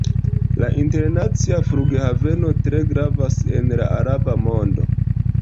La internacia flughaveno tre gravas en la araba mondo.